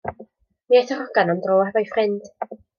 Mi aeth yr hogan am dro hefo'i ffrind.